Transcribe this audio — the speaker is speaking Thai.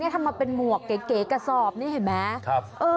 ทำมาเป็นหมวกเก๋กระสอบนี่เห็นไหม